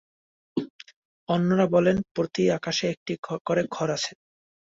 অন্যরা বলেনঃ প্রতি আকাশে একটি করে ঘর আছে।